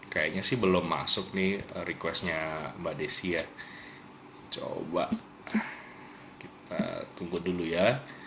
kayaknya sih belum masuk nih requestnya mbak desi ya coba kita tunggu dulu ya